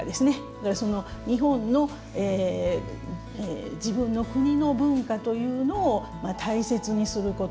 だから日本の自分の国の文化というのを大切にすること。